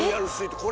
これ⁉